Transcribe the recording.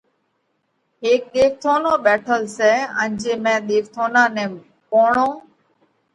هيڪ ۮيوَٿونو ٻيٺل سئہ ان جي مئين ۮيوَٿونا نئہ پوڻو